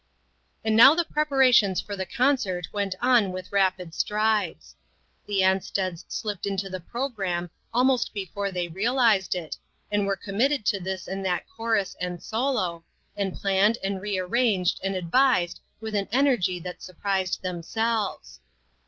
And now the preparations for the concert went on with rapid strides. The Ansteds slipped into the programme almost before they COMFORTED. realized it, and were committed to this and that chorus and solo, and planned and re arranged and advised with an energy that surprised themselves.